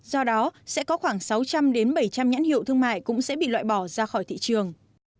do đó sẽ có khoảng sáu trăm linh bảy trăm linh nhãn hiệu thương mại cũng sẽ bị loại bỏ ra khỏi thị trường